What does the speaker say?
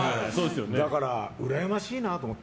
だからうらやましいなと思って。